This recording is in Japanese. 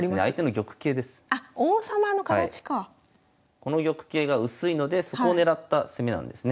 この玉形が薄いのでそこをねらった攻めなんですね。